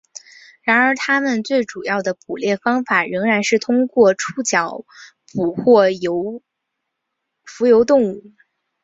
然而它们最主要的捕猎方法仍然是通过触角捕获浮游动物。